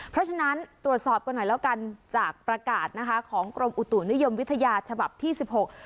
เพราะฉะนั้นตรวจสอบกันหน่อยแล้วกันจากประกาศนะคะของกรมอุตุนิยมวิทยาฉบับที่สิบหก